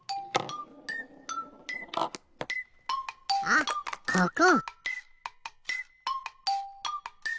あっここ！